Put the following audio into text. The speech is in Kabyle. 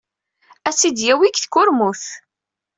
Ad tt-id-yawey deg tkurmut.